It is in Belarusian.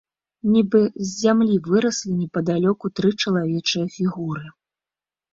Нібы з зямлі выраслі непадалёку тры чалавечыя фігуры.